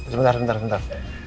sebentar sebentar sebentar